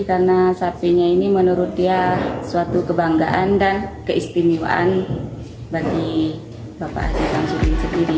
karena sapinya ini menurut dia suatu kebanggaan dan keistimewaan bagi bapaknya